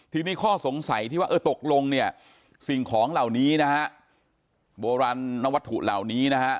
ทีนี้ข้อสงสัยที่ว่าเออตกลงเนี่ยสิ่งของเหล่านี้นะฮะโบราณนวัตถุเหล่านี้นะฮะ